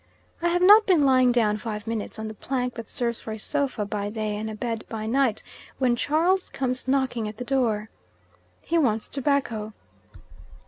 I have not been lying down five minutes on the plank that serves for a sofa by day and a bed by night, when Charles comes knocking at the door. He wants tobacco.